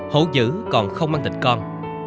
hổ dữ còn không ăn thịt con